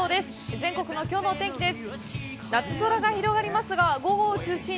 全国のきょうのお天気です。